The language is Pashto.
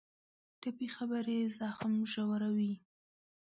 ټپي خبرې زخم ژوروي.